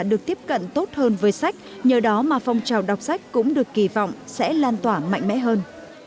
được tiếp cận tốt hơn với sách nhờ đó mà phong trào đọc sách cũng được kỳ vọng sẽ lan tỏa mạnh mẽ hơn